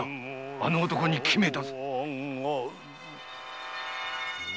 あの男に決めた。